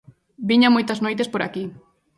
_Viña moitas noites por aquí.